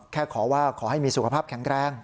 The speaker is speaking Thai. ขอว่าขอให้มีสุขภาพแข็งแรง